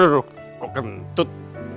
aduh kok kentut